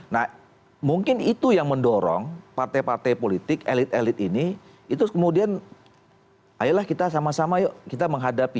nah mungkin itu yang mendorong partai partai politik elit elit ini itu kemudian ayolah kita sama sama yuk kita menghadapi